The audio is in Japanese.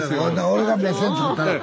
俺が目線作ったる。